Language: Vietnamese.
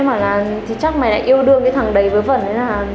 em bảo là chắc mày lại yêu đương cái thằng đấy vớ vẩn ấy à